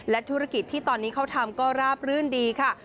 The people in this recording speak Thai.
และธุรกิจที่ตอนนี้เขาทำก็ราบรื่นดีค่ะ